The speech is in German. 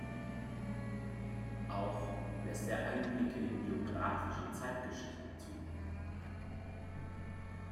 Auch lässt er Einblicke in biographische Zeitgeschichte zu.